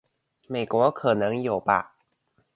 美國可能有吧